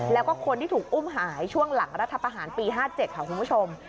แล้วก็คนที่ถูกอุ้มหายช่วงหลังรัฐประหารปี๕๗ค่ะคุณผู้ชม